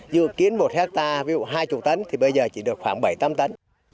dự kiến một hectare ví dụ hai mươi tấn thì bây giờ chỉ được khoảng bảy tám tấn